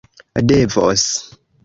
devos